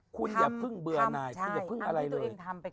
คุณอย่าเพิ่งเบื่อหน่ายคุณอย่าพึ่งอะไรเลย